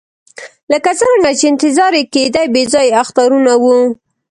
لکه څرنګه چې انتظار یې کېدی بې ځایه اخطارونه وو.